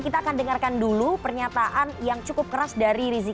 kita akan dengarkan dulu pernyataan yang cukup keras dari rizik